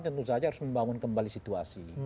jadi kita harus membangun kembali situasi